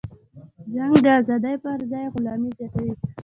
جنگ د ازادۍ پرځای غلامي زیاتوي.